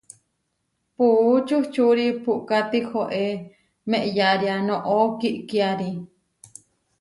Puú čuhčúri puʼka tihoé meʼyaria noʼó kiʼkiári.